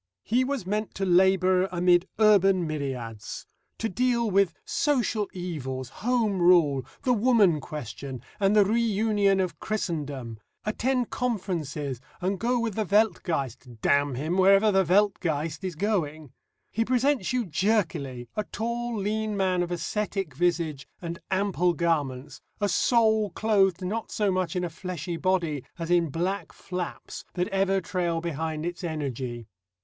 He was meant to labour amid Urban Myriads, to deal with Social Evils, Home Rule, the Woman Question, and the Reunion of Christendom, attend Conferences and go with the Weltgeist damn him! wherever the Weltgeist is going. He presents you jerkily a tall lean man of ascetic visage and ample garments, a soul clothed not so much in a fleshy body as in black flaps that ever trail behind its energy.